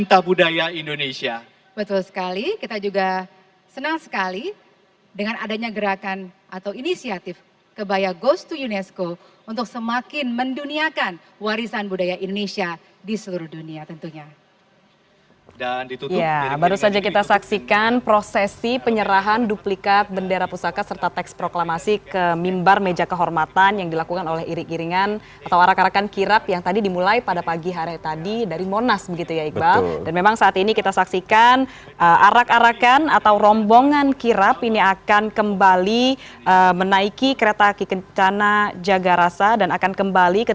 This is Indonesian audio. tolong produser juga ini tolong bantuin kami